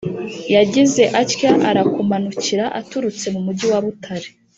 yagize atya arakumanukira aturutse mu mugi wa butare,